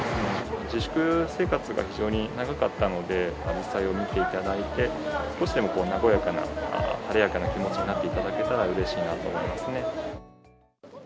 自粛生活が非常に長かったので、アジサイを見ていただいて、少しでも和やかな、晴れやかな気持ちになってただけたら、うれしいなと思いますね。